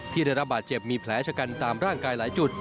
ได้รับบาดเจ็บมีแผลชะกันตามร่างกายหลายจุด